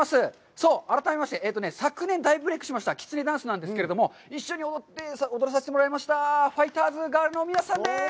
そう、改めまして、昨年大ブレークしましたきつねダンスなんですけれども、一緒に踊らさせてもらいましたファイターズガールの皆さんです。